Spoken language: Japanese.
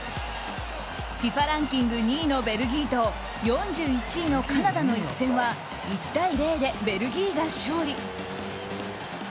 ランキング２位のベルギーと４１位のカナダの一戦は１対０でベルギーが勝利。